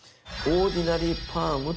オーディナリー・パーム。